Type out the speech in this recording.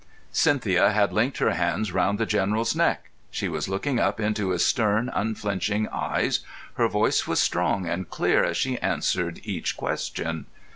Cynthia had linked her hands round the General's neck; she was looking up into his stern, unflinching eyes, her voice was strong and clear as she answered each question.